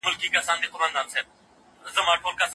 د اولادونو لپاره څومره نفقه اخیستل روا دي؟